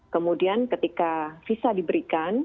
kemudian ketika visa diberikan